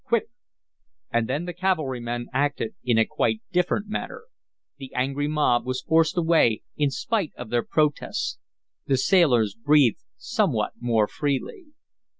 Quick!" And then the cavalrymen acted in a quite different manner. The angry mob was forced away, in spite of their protests. The sailors breathed somewhat more freely.